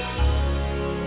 aku yakin kalau ada yang kutip